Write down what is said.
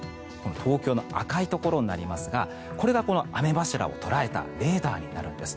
東京の赤いところになりますがこれが雨柱を捉えたレーダーになるんです。